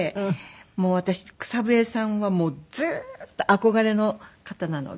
もう私草笛さんはずっと憧れの方なので。